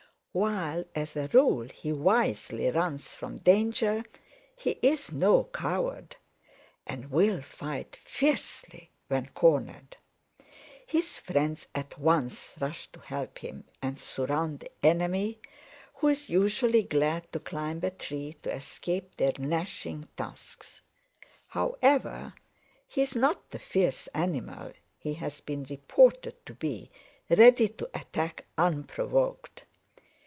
While as a rule he wisely runs from danger, he is no coward, and will fight fiercely when cornered. His friends at once rush to help him and surround the enemy, who is usually glad to climb a tree to escape their gnashing tusks. However, he is not the fierce animal he has been reported to be, ready to attack unprovoked.